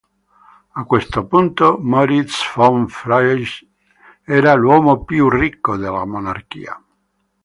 A questo punto Moritz von Fries era l'uomo più ricco della monarchia.